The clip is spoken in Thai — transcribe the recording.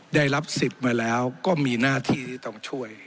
ได้รับสิทธิ์มาแล้วก็มีหน้าที่ที่ต้องช่วย